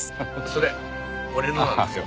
それ俺のなんですよ。